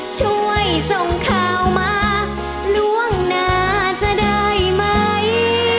ช่วยส่งข่าวมาล่วงหน้าจะได้ไหม